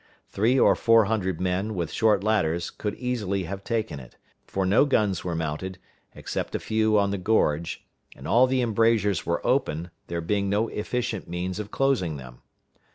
Three or four hundred men, with short ladders, could easily have taken it; for no guns were mounted, except a few on the gorge, and all the embrasures were open, there being no efficient means of closing them.